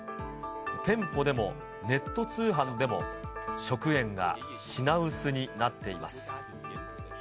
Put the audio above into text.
店舗でもネット通販でも、食塩が品薄になっています。